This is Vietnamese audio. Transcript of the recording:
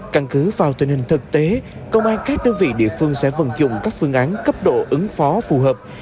căn cứ vào tình hình thực tế công an các đơn vị địa phương sẽ vận dụng các phương án cấp độ ứng phó phù hợp